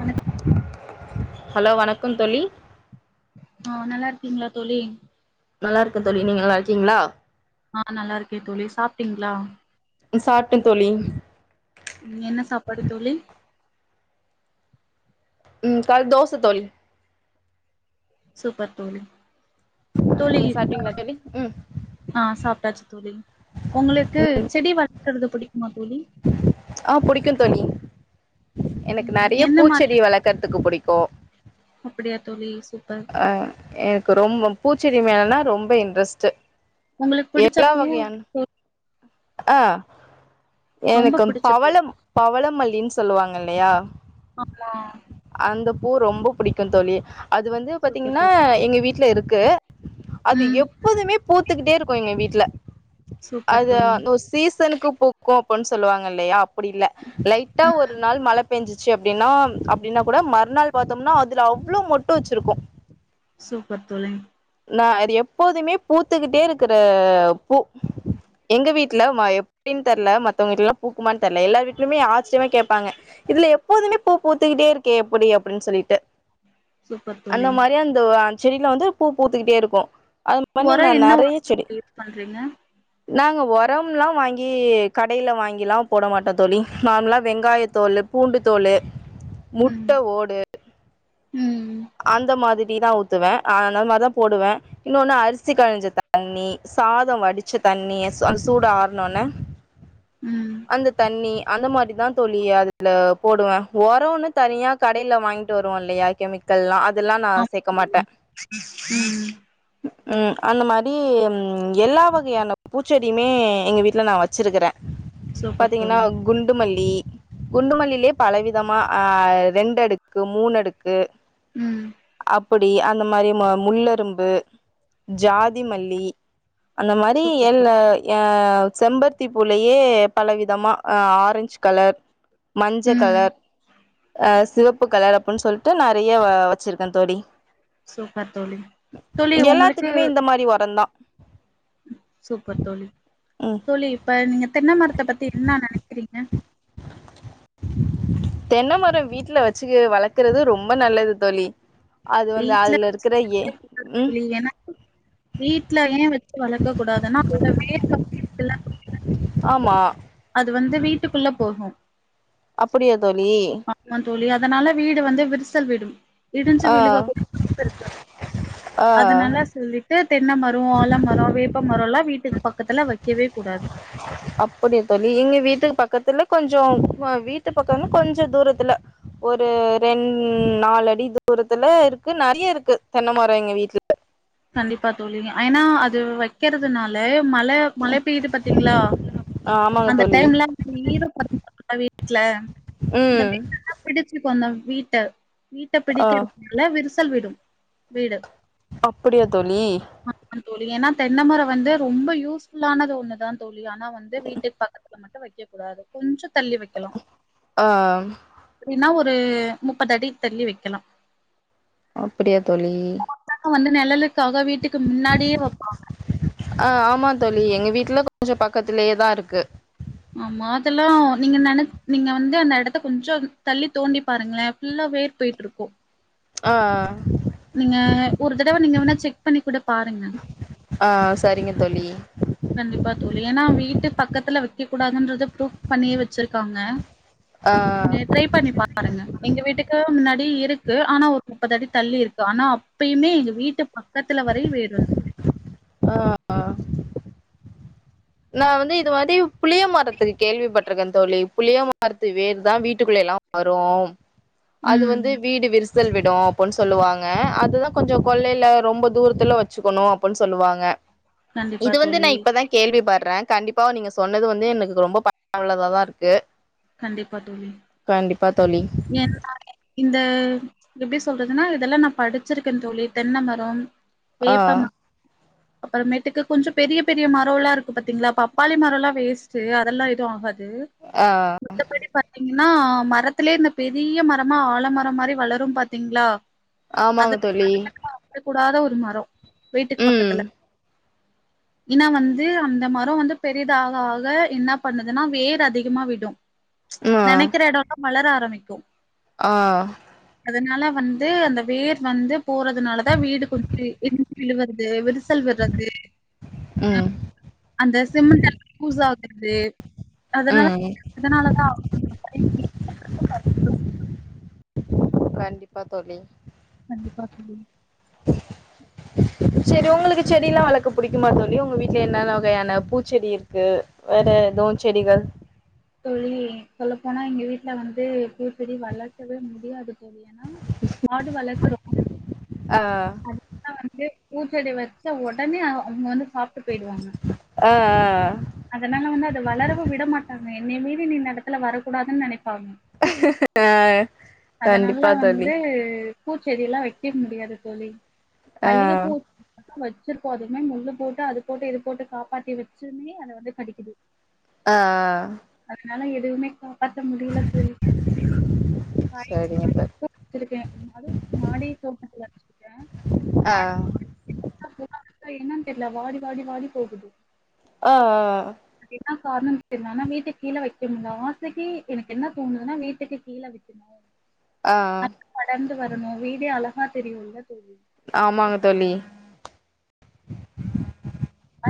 வணக் ஹலோ வணக் கம் தோழி ஆஹ் நல்லா இருக்கீங்களா தோழி நல்லா இருக்க தோழி நீங்க நல்லா இருக்கீங்களா ஆஹ் நல்லா இருக்கே தோழி சாப்ட்டீங்களா சாப்டே தோழி உம் என்ன சாப்பாடு தோழி உம் கல் தோச தோழி சூப்பர் தோழி தோழி நீங்க சாப்ட்டீங்களா தோழி ம் ஆஹ் சாப்பிட்டாச்சு தோழி உங்களுக்கு செடி வள கருது பிடிக்குமா தோழி ஆஹ் புடிக்கு தோழி எனக்கு ம் நறைய எந்த மாரி பூச்செடி வளக்கறதுக்கு புடிக்கு போ அப்படியா தோழி சூ ஆஹ் ஏ ரொம்ப பூச்செடி மேலனா ரொம்ப இன்ட்ரெஸ்ட் உங்களுக்கு புடிச்ச பூ தோ ஆஹ் ரொம்ப எனக்கு புடிச்ச பூ பவளம் பவளமல்லின் சொல்லுவாங்க இல்லையா ஆமா அந்த பூ ரொம்ப புடிக்கு தோழி அது வந்து சூப்பர் பாத்தீங்கன்னா தோழி எங்க வீட்டுல இருக் கு அது ம் எப்போதுமே பூத்துக்கிட்டே இருக்கும் எங்க வீட்டுல சூப்பர் தோழி சீசனுக்கு பூக்கும் அப்படின் சொல்லுவாங்க இல்லையா அப்படியல லைட்டா ம் ஒரு நாள் மழை பெஞ்சுச்சு அப்டின்னா அப்டின்னா கூட மறுநாள் பாத்தோம்னா அதுல அவ்ளோ மொட்டும் வச்சிருக்கோ சூப்பர் தோழி நா அது எப்போதுமே பூத்துக்கிட்டே இருக்கிற பூ எங்க வீட்டுல எப்டின்னு தரல மத்தவங்க வீட்டுல எல்லாம் பூக்குமனு தரல எல்லார் வீட்டுலயுமே ஆச்சரியமா கேட்பாங்க இதுல எப்போதுமே பூ பூத்துக்கிட்டே இருக்கே எப்படி அப்டின்னு சொல்லிட்டு சூப்பர் தோழி அந்த மாரி அந்த செடிலாம் வந்து பூ பூத்துக்கிட்டே இருக்கும் அது மண்ணி ஒரோ நான் என்ன ஒரோ நறைய செடி யூஸ் பண்றீங்க நாங்க உரம்லாம் வாங்கி கடையில் வாங்கிலாம் போட மாட்டோம் தோழி நார்மலாக வெங்காய தோல் பூண்டு தோல் முட்ட ம் ஓடு ம் அந்த மாதி ரி தான் ஊத்துவேன் அன மாதிரிதான் போடுவேன் இன்னொன்னு அரிசி கழிஞ்ச தண்ணி சாதம் வடிச்ச தண்ணி அந்த சூடு ஆறனொனே ம் அந்த தண்ணி அந்த மாதிரி தான் தோழி அதுல போடுவேன் ஒரம்ன்னு தனியா கடையில வாங்கிட்டு வருவோம் இல்லையா கெமி கல்லாம் ஆம் உம் ம் அந்த மாரி எல்லா வகையான பூச்செடியுமே எங்க வீட்டில் நான் வச்சுருக்கறன் சூப்பர் தோழி பாத்தீங்கன்னா குண்டு மல் லி குண்டுமல்லிலயே பல விதமா ஆஹ் ரெண்டு அடுக்கு மூணு அடுக்கு உம் அப்படி அந்த மாதிரி முள்ளரும்பு ஜாதி மல்லி அந்த மாரி சூப்பர் தோ எல்ல அஹ் செம்பருத்தி பூலயே பல விதமாஹ் ஆரஞ்ச் கலர் மஞ்ச ம் கலர் அ சிவப்பு கலர் அப்டின்னு சொல்லிட்டு நெறை யா வச்சிருக்கேன் தோழி சூப்பர் தோழி தோழி ஒங்களுக்கு எல்லாத்துக்குமே இந்த மாரி ஒரந்தா சூப்பர் தோழி ம் தோழி இப்ப நீங்க தென்மரத்த பத்தி என்ன நெனைக்கிறீங்க தென்னை மரம் வீட்டுல வச்சு வளர்க்குறது ரொம்ப நல்லது தோழி அது வந்து வீட்ல அதுல இருக்கிற ஏ ம் [inaudible] ஏனா வீட்ல ஏ வெச் வளக்கக் கூடாதுன்னா அதோட வேர் [inaudible] ஆமா அது வந்து வீட்டுக்குள்ள போகு அப்படியா தோழி [inaudible] தோழி அதனால வீடு வந்து விரிசல் விடும் இடிஞ்சு ஆ விழுக ஆ [inaudible] அதனால சொல்லிட்டு தென்ன மரோ ஆல மரோ வேப்ப மரோல்லா வீட்டுக் பக்கத்ல வ அப்படியா தோழி இங்க வீட்டுக்கு பக்கத்துல கொஞ்சோ அ வீட்டு பக்கன கொஞ்ச தூரத்தில ஒரு ரெண் நாலு அடி தூரத்தில இருக்கு நறைய இருக்கு தென்னமரோ எங்க வீட்ல கண்டிப்பா தோழி அய்னா அது வக்கிற துனால மழ மழ பெய்து பாத்தீங்ளா ஆமாங்க அந்த தோழி டைம்லா [inaudible] வீட்ல ம் [inaudible] கொன்ன வீட்ட வீட்ட ஆ பிடிக்கிறதுனால விரிசல் விடும் வீடு ப்பிடியா தோழி ஆமா தோழி ஏனா தென்ன மர வந்து ரொம்ப யூஸ்ஃபுல்லானது ஒண்ணு தா தோழ் ழி ஆனா வந்து வீட்டுக் பக்கத்தில மட்டு வெக் க்க கூடாது கொஞ்சத் தள்ளி வெக்கலா ஆ ஏன்னா ஒர் ரு முப்பது அடி தள்ளி வெக்கலா அப்பிடியா தோழி கு வந்து நெழலுக் க்காக வீட்டுக்கு மின்னாடியே வெப்பாங்க அ ஆமாந் தோழி எங்க வீட்ல கொஞ்சோ பக்கத்துலியே தா இருக்கு ஆமா அதெல்லா நீங்க நெனச் நீங்க வந்து அந்த எடத்த கொஞ்சோ தள்ளி தோண்டி பாருங்ளே ஃபுல்லா வேர் போயிட்ருக்கூ அ ஆ ஒரு தடவ நீங்க வேணா செக் பண்ணி கூடப் பாருங்க ஆ ஆ சரிங்க தோழி கண்டிப்பா தோழி ஏனா வீட்டு பக்கத்தல வைக்க கூடாதுன்றது ஃப்ரூஃப் பண்ணியே வெச்சிருக்காங்க ஆ ங்க ட்ரை பண்ணி பாருங்க எங்க வீட்டுக்கு கு முன்னாடி இருக்கு ஆனா ஒரு முப்பது அடி தள்ளி இருக்கு ஆனா அப்பியுமே எங்க வீட்டு பக்கத்தல வரையு வேர் வந் ஆ நா வந்து இது மாரி புளிய மரத்துக்கு கேள்விப்பட்ருக்க தோழி புளிய மரத்து வேருதா வீட்டுக்குள்ளைலா வரும் அது ம் வந்து வீடு விரிச சல் விடு அப்புன் சொல்வாங்க அதுதா கொஞ்ச கொள்ளையில ரொம்ப தூரத்துல வச்சுக்கணு அப்புன் சொல்லுவாங்க கண்டிப்பா இது வந்து நா தோழி இப்பதா கேள்வி ப டறே கண்டிப்பா நீங்க சொன்னது வந்து எனக்கு ரொம்ப பயனுள்ளதாதா இருக்கு கன்டிப்பா தோழி கண்டிப்பா தோழி என் [inaudible] இந்த எப்டி சொல்றதுன்னா இதெல்லா நா படிச்சிருக்கே தோழி தென்ன மரம் ஆ வேப்ப ம அப்புறமேட்டுக்கு கொஞ்ச பெரிய பெரிய மரல்லா இருக்கு பாத்திங்ளா பப்பாளி மரல்லா வேஸ்ட்டு அதெல்லா எது ஆகாது ஆ பாத்திங்னா மரத்திலயே இந்த பெரிய மரமா ஆலமரம் மாரி வளரும் பாத்திங்ளா ஆமாங்க தோழி கூடாத ஒரு மர வீட்டுக்கு ம் பக்கத்துல இனா வந்து அந்த மர வந்து பெரிதாக ஆக என்ன பண்ணுதுனா வேர் அதிகமா விடு ஆ நெனைக்கற எடல்லா வளர ஆரம்பிக் க்கு ஆ அதனால வந்து அந்த வேர் வந்து போறதுனாலதா வீடு கொஞ்ச [inaudible] விழுவ றது விரிசல் விடுறது ம் அந்த சிமெண்ட்ட பூசா றது அதனால ம் அதனாலதா [inaudible] கண்டிப்பா தோழி கண்டிப்பா தோழி செரி உங்களுக்கு செடி எல்லா வளக்க புடிக்குமா தோழி உங்க வீட்ல என்னன்ன வகையான பூச்செடி இருக்கு வேற எதுவு செடிகள் தோழி சொல்லப்போனா எங்கெ வீட்ல வந்து பூச்செடி வளர்க்கவே முடியாது தோழி ஏனா ஆடு வளர்க்குறோ அ அதுல வந்து பூச்செடி வச்ச ஒடனே அ அதுங்க வந்து சாப்ட்டு பெய்டுவாங்க ஆ ஆ அதனால வந்து அத வளரவு விட மாட்டா நீ என்னய மீறி நீ நடத்துல வரக்கூடதுன் நனை பாகு அதனல்ல கண்டிப்பா தோழி வந்து பூச்செடி எல்லா வெக்க முடியாது தோழி ஆ மல்லிக பூ வச்சிருப்போதுமே முள்ளு போட்டு அது போட்டு இது போட்டு காப்பாத்தி வச்சுமே அத வந்து கடிக்குது ஆ ஆ அதனால எதுவுமே காப் பாத்த முடியில தோழி சரிங்க காய்க தோழி வச்சிருக்கேன் அதும் மாடி தோட்டத்துல வச்சிருக்கேன் ஆ [unintelligible] ப்ப என்னன் தெரியல வாடி வாடி வாடி போகுது ஆ ஆ ஆ அது என்ன கார்ணம் தெர்ல ஆனா வீட் டுக்கு கீழே வைக்கனுமு ஆசைக்கு எனக்கு என்ன தோணுதுன்னா வீட்டுக்கு கீழே வைக்கணும் ஆ ஆ இருந்து வரமோ வீடே அழகா தெரியுல்ல ஆமாங்க தோழி அ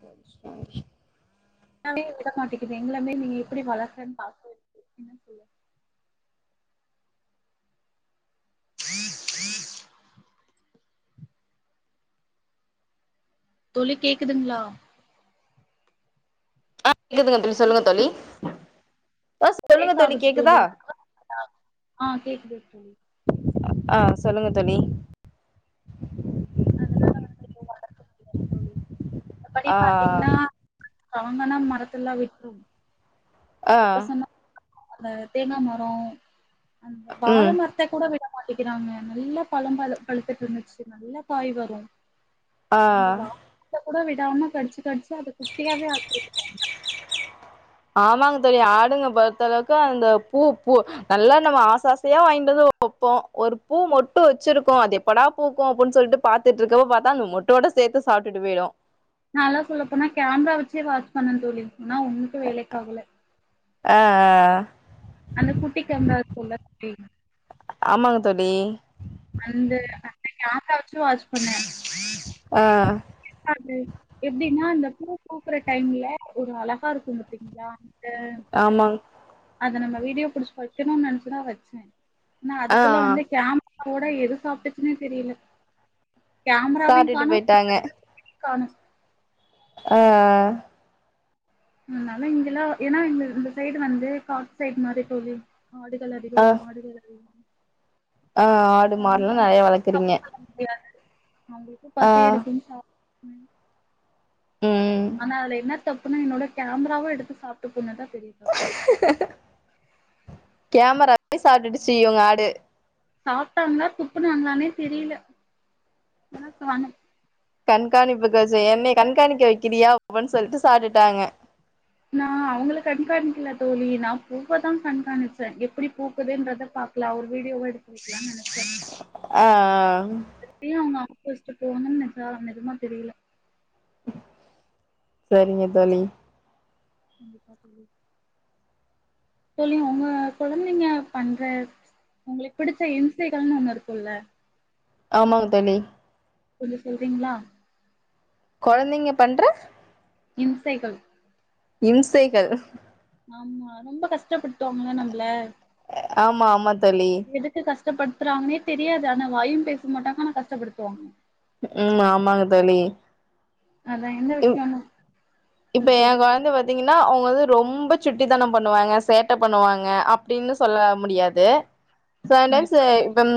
[unintelligible] எல்லாமே விட மாட்டேக்குது எங்கள மீறி நீங்க எப்படி வளர்க்கன்னு பாக்க என்னனு சொல்ல தோழி கேக்குதுங்களா ஆ கேக்குதுங்க தோழி சொல்லுங்க தோழி [unintelligible] சொல்லுங்க ஷேக் ஆகுது கேக்குதா தோழி ஆ கேக்குது தோழி ஆ சொல்லுங்க தோழி அதனால வந்து [unintelligible] [unintelligible] தோழி அப்படி ஆ பாத்தீங்னா அவுங்கனா மரத்துலா விட்ரும் ஆ அந்த தேங்கா மரோ அந்த வாழ ம் மரத்த கூட விடா மாட்டிக்கிறாங்க நல்ல பழோதா அது பழுத்துட்டு இருந்துச்சு நல்ல காய் வரும் ஆ ஆ கூட விடாம கடிச்சு கடிச்சு அத குட்டியாவே ஆக்கிட்டாங்க ஆமாங்க தோழி ஆடுங்க பொறுத்த அளவுக்கு அந்த பூ பூ நல்லா நம்ம ஆச ஆசாசையா வாங்கிட்டு வந்து வைப்போம் ஒரு பூ மொட்டு வச்சிருக்கு அது எப்படா பூக்கும் அப்டின் சொல்லிட்டு பாத்துட்டு இருக்கப்ப பாத்தா அந்த மொட்டோட சேத்து சாப்டுட்டு போயிடும் நாலா சொல்லப்போனா கேமரா வச்சே வாட்ச் பண்ணணு தோழி ஆனா ஒண்ணுக்கு வேலைக்கு ஆகல ஆஹ ஆஹ அந்த குட்டிக்கு அங்க இருக்குல எப்டினு ஆமாங்க தோழி வந்து அன்னிக்கு ஆக்க வச்சு வாட்ச் பண்ணேன் ஆஹ அது எப்டின்னா அந்தக் பூ பூக்குற டைம்ல ஒரு அழகா இருக்கும் பாத்திங்களா அத ஆமாங் அத நம்ம வீடியோ புடிச்சு வைக்கணுனு நெனைச்சு‌தா வச்சே ஆனா ஆ அதுக்குள்ள வந்து கேமராவோட எ எது சாப்ட்டுச்சுனே தெரில சாப்டுட்டு போயிட்டாங்க காணு ஆ அ அதனால இங்கெல்லா ஏனா இந்த சைடு வந்து காட்டு சைடு மாரி தோழி ஆடுகள் அதிகோ ஆ மாடுகள் அதிகோ ஆ ஆடு மாடுலா நம்ம நறையா வளக்குறீங்க அவுங்களுக்கு ஆ பசி எடுக்குனு சாப் ம், ம் ஆனா அதுல என்ன தப்புனா என்னோட கேமராவு எடுத்து சாப்ட்டு போனதுதா கேமரா வ சாப்ட்டுச்சி உங்க ஆடு சாப்ட்டாங்ளா துப்புனாங்களானே தெரில, ஆனா காணு கண்காணிப்புக்கா வச்ச என்னைய கண்காணிக்க வைக்கிறியா அப்டின்னு சொல்லிட்டு சாப்ட்டுட்டாங்க நா அவங்கள கண்காணிக்கல தோழி நா பூவ தா கண்காணிச்ச எப்டி பூக்குதுன்றத பாக்கலா ஒரு வீடியோவா எடுத்து வைக்கிலான் நனச் ஆ ஆ ஆ கோச்சிட்டு போணு நனச்சதா நெஜமா தெரில சரிங்க தோழி தோழி ஒங்க கொழந்தைங்க பண்ற உங்களுக்கு பிடிச்ச இம்சைகள்னு ஒண்ணு இருக்குல்ல ஆமாங்க தோழி கொஞ்சோ சொல்றீங்ளா கொழந்தைங்க பண்ற இம்சைகள் இம்சைகள் ஆமா ரொம்ப கஷ்டப்படுத்துவாங்கல நம்பள ஆமா ஆமாத் தோழி கஷ்டப்படுத்துறாங்னே தெரியாது ஆனா வாயு பேச மாட்டாங்க ஆனா கஷ்டப்படுத்துவாங்க ம் ஆமாங்க தோழி அதா எந்த இப் விஷயம்னு இப்ப நீங்க எ சொல்றீங்களா கொழந்த பாத்தீங்கன்னா அவங்க வந்து ரொம் ரொம்ப சுட்டித்தனோ பண்ணுவாங்க சேட்ட பண்ணுவாங்க அப்டின்னு சொல்ல முடியாது செல டைம்ஸ் கண்டிப்பா தோழி இப்பம்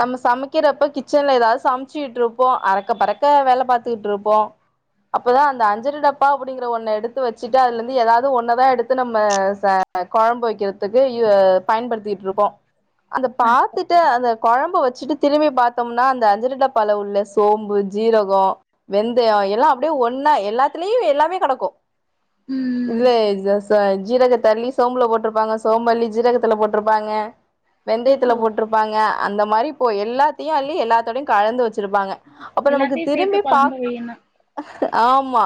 நம்ம சமைக்கிறப்ப கிச்சன்ல ஏதாது சம்சுட்ருப்போ அரக்க பறக்க வேல பாத்துகிட்ருப்போ அப்பதா அந்த அஞ்ஜர டப்பா அப்டிங்கிற ஒன்ன எடுத்து வச்சிட்டு அதுல இருந்து ஏதாது ஒன்னதா எடுத்து நம்ம ச கொழம்பு வைக்கிறதுக்கு யூ பயன்படுத்திட்டு இருப்போ அந்த கண்டிப்பா பாத்துட்டு அந்த கொழம்ப வச் சிட்டு திரும்பி பாத்தோம்னா அந்த அஞ்சர டப்பால உள்ள சோம்பு ஜீரகோ வெந்தயா எல்லாப் அப்டே ஒன்னா எல்லாத்லியு எல்லாமே கடக்கு ம் இதுலே எக்சாஸ் த ஜீரகத்த அள்ளி சோம்புல போட்ருப்பாங்க சோம் அள்ளி ஜீரகத்துல போட்ருப்பாங்க வெந்தயத்துல போட்ருப்பாங்க அந்தம் மரி போ எல்லாத்யு அள்ளி எல்லாத்தோடயு கலந்து வச்சிருப்பாங்க அப்ப நமக்கு எல்லாத்தியு சேத்து திரும்பி கொழம்ப பாக் வெய்யன்னா ஆமா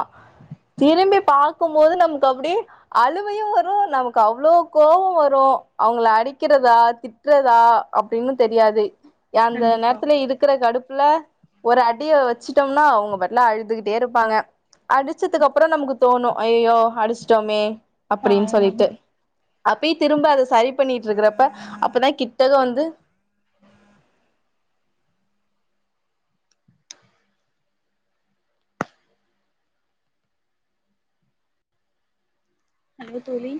திரும்பி பாக்குமோது நமுக்கு அப்டி அழுவையு வரு நமக்கு அவ்ளோ கோவ வரு அவுங்குல அடிக்கிறதா திட்றதா அப்டின்னு தெர்யாது யாந்த கண்டிப்பா நேர்த்துல இருக்குற கடுப் ல்ல ஒரு அடிய வச்சிட்டம்னா அவுங்க பட்லா அழுதுகுட் டேருப்பாங்க அடிச்சிதுக் அப்ற நமுக்கு தோணு ஐயயோ அடிச்ட்டோமே அப்புடின் பாவமே சொல்லிட்டு அப்பியி திரும்ப அத சரி பண்ணிட் இருக்குறப்ப அப்பதா கிட்டக வந்து ஹலோ தோழி